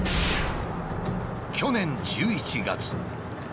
去年１１月。